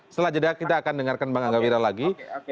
setelah jeda kita akan dengarkan bang angga wira lagi